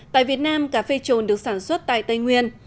tại việt nam cà phê trồn được sản xuất tại tây nguyên